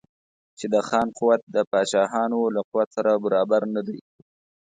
چې د خان قوت د پاچاهانو له قوت سره برابر نه دی.